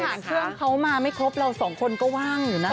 เครื่องเขามาไม่ครบเราสองคนก็ว่างอยู่นะ